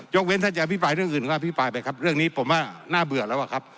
เว้นท่านจะอภิปรายเรื่องอื่นก็อภิปรายไปครับเรื่องนี้ผมว่าน่าเบื่อแล้วอะครับ